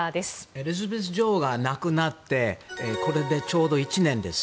エリザベス女王が亡くなってこれでちょうど１年です。